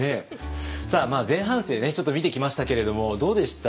前半生ねちょっと見てきましたけれどもどうでした？